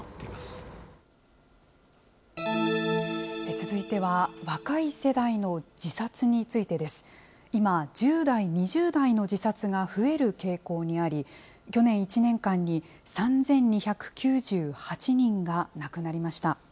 続いては、若い世代の自殺についてです。今、１０代、２０代の自殺が増える傾向にあり、去年１年間に３２９８人が亡くなりました。